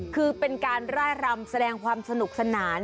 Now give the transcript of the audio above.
คือเป็นการร่ายรำแสดงความสนุกสนาน